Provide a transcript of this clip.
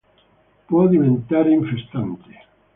Può diventare infestante.